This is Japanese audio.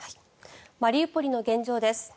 マリウポリの現状です。